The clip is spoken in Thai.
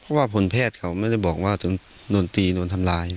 ว่าผลแพทย์เขาไม่ได้บอกว่าถึงโดนตีโดนทำร้าย